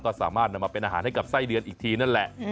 ก็สามารถนำมาเป็นอาหารให้กับไส้เดือนอีกทีนั่นแหละ